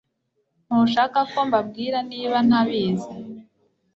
Ntushaka ko mbabwira niba ntabizi